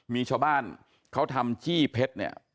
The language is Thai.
มีชาวบ้านเขาทำจี้เพชรเนี่ย